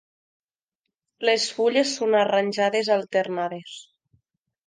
Les fulles són arranjades alternades.